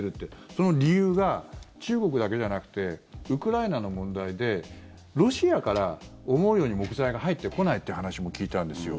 その理由が中国だけじゃなくてウクライナの問題でロシアから思うように木材が入ってこないっていう話も聞いたんですよ。